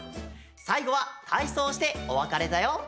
さいごは体操しておわかれだよ。